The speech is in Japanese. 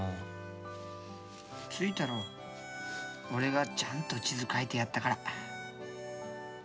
俺がちゃんと地図描いてやったから。